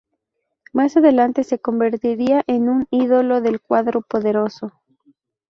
Más adelante se convertiría en un ídolo del cuadro "poderoso".